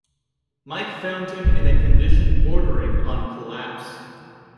Mike found him in a condition bordering on collapse.